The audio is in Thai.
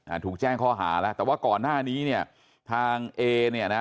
ถูกแจ้งข้อหาแล้วแต่ว่าก่อนหน้านี้เนี่ยทางเอเนี่ยนะ